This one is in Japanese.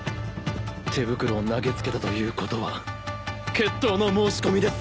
手袋を投げ付けたということは決闘の申し込みです。